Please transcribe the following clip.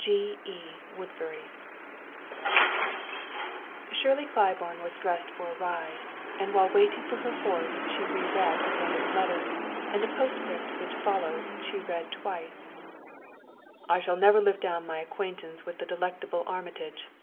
G.E. Woodberry. Shirley Claiborne was dressed for a ride, and while waiting for her horse she re read her brother's letter; and the postscript, which follows, she read twice: "I shall never live down my acquaintance with the delectable Armitage.